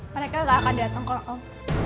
mereka gak akan datang kalau om